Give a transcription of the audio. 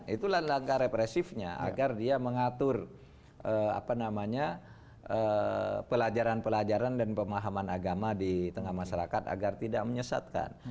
itulah langkah represifnya agar dia mengatur pelajaran pelajaran dan pemahaman agama di tengah masyarakat agar tidak menyesatkan